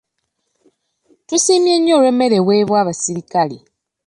Tusiimye nnyo olw'emmere eweebwa abasirikale.